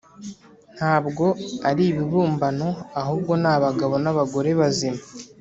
. Ntabwo ari ibibumbano ahubwo ni abagabo n’abagore bazima